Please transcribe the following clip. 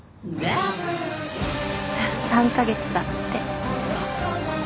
３カ月だって。